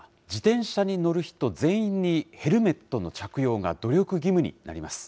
来月から自転車に乗る人全員に、ヘルメットの着用が努力義務になります。